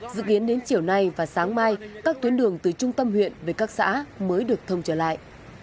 dự kiến đến chiều nay và sáng mai các tuyến đường từ trung tâm huyện về các xã mới được thông trở lại